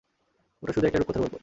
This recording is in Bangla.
ওটা শুধু একটা রূপকথার গল্প।